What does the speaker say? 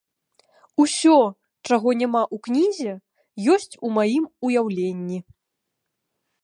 Усё, чаго няма ў кнізе, ёсць у маім уяўленні.